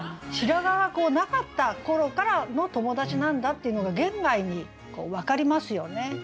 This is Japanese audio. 白髪がなかった頃からの友達なんだっていうのが言外に分かりますよね。